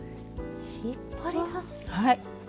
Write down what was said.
はい。